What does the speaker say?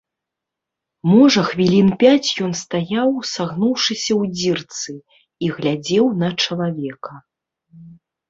Можа хвілін пяць ён стаяў, сагнуўшыся ў дзірцы, і глядзеў на чалавека.